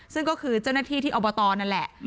ซึ่งก็คือเจ้าหน้าที่ที่อบตนั่นแหละ